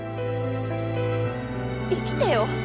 生きてよ